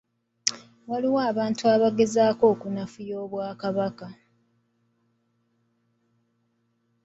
Waliwo abantu abagezaako okunafuya Obwakabaka.